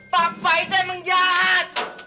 pak pak itu emang jahat